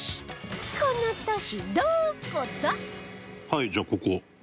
はいじゃあここ。